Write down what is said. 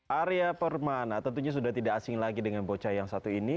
arya permana tentunya sudah tidak asing lagi dengan bocah yang satu ini